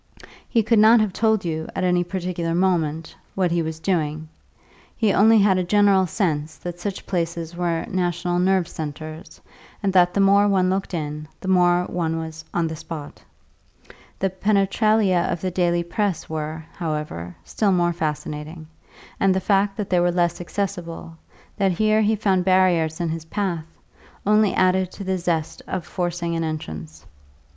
He could not have told you, at any particular moment, what he was doing; he only had a general sense that such places were national nerve centres, and that the more one looked in, the more one was "on the spot." The penetralia of the daily press were, however, still more fascinating, and the fact that they were less accessible, that here he found barriers in his path, only added to the zest of forcing an entrance.